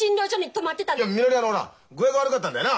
いやみのりはあのな具合が悪かったんだよな？